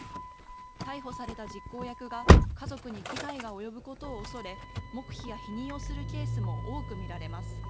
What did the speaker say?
逮捕された実行役が、家族に危害が及ぶことを恐れ、黙秘や否認をするケースも多く見られます。